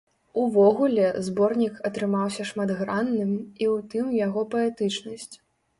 Увогуле, зборнік атрымаўся шматгранным, і ў тым яго паэтычнасць.